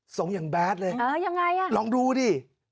ส่งอย่างแดดเลยเออยังไงอ่ะลองดูดิ